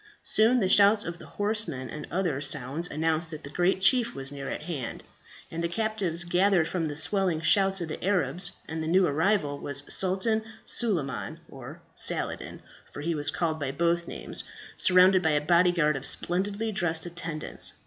Soon the shouts of the horsemen and other sounds announced that the great chief was near at hand, and the captives gathered from the swelling shouts of the Arabs that the new arrival was Sultan Suleiman or Saladin, for he was called by both names surrounded by a body guard of splendidly dressed attendants.